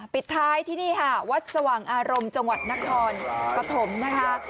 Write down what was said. ปิดท้ายที่นี่ค่ะวัดสว่างอารมณ์จังหวัดนครปฐมนะคะ